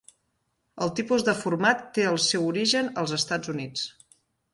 El tipus de format té el seu origen als Estats Units.